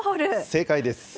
正解です。